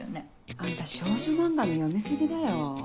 あんた少女漫画の読み過ぎだよ。